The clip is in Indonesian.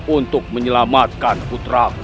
untuk menyelamatkan putraku